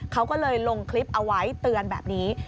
เขาก็เลยลงคลิปเอาไว้เตือนแบบนี้